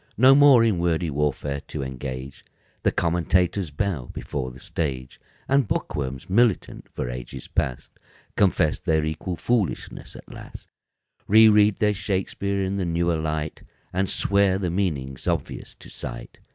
No more in wordy warfare to engage, The commentators bow before the stage, And bookworms, militant for ages past, Confess their equal foolishness at last, Reread their Shakspeare in the newer light And swear the meaning's obvious to sight.